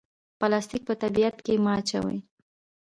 پلاستیک په طبیعت کې مه اچوئ